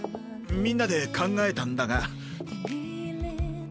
みんなで考えたんだが。